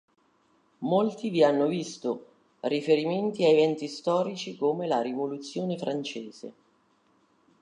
Molti vi hanno visto riferimenti a eventi storici come la Rivoluzione francese.